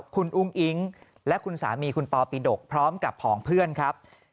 คุณอุ้งอิ๊งและคุณสามีคุณปปีดกพร้อมกับผองเพื่อนครับ